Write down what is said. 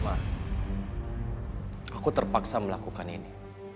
aku terpaksa melakukan ini